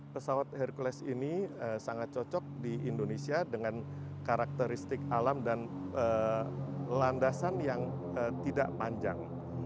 pesawat hercules ini sangat cocok di indonesia dengan karakteristik alam dan landasan yang tidak panjang